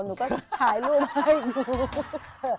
หนูก็ขายรูปให้หนู